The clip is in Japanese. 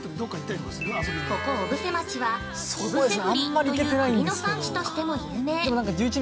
◆ここ小布施町は、小布施栗という栗の産地としても有名。